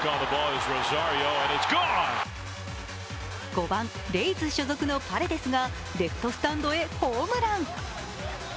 ５番、レイズ所属のパレデスがレフトスタンドへホームラン。